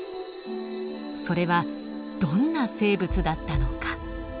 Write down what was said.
それはどんな生物だったのか。